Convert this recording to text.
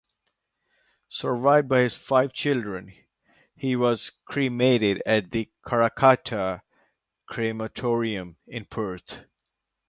Survived by his five children, he was cremated at the Karrakatta Crematorium in Perth.